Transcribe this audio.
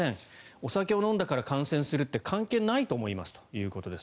お酒を飲んだから感染するって関係ないと思いますということです。